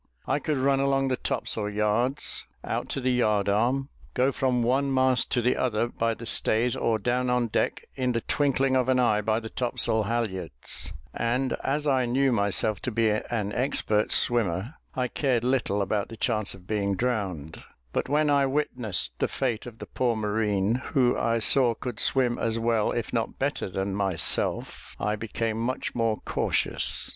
I could run along the topsail yards out to the yard arm, go from one mast to the other by the stays, or down on deck in the twinkling of an eye by the topsail halyards; and, as I knew myself to be an expert swimmer, I cared little about the chance of being drowned; but when I witnessed the fate of the poor marine, who I saw could swim as well, if not better than myself, I became much more cautious.